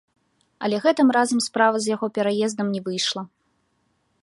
Але гэтым разам справа з яго пераездам не выйшла.